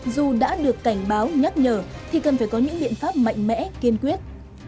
dù đã được cảnh báo nhắc nhở thì cần phải có những biện pháp mạnh mẽ kiên quyết